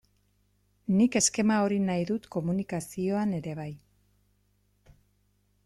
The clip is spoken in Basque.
Nik eskema hori nahi dut komunikazioan ere bai.